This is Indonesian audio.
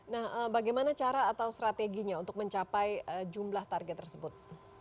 nah bagaimana cara atau strateginya untuk mencapai jumlah target tersebut